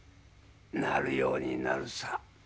なるようになるさ。